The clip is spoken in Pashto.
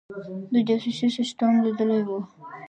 د جاسوسي سسټم لیدلی وو.